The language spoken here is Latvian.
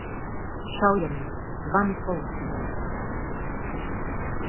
Šaujamo! Zvani policijai!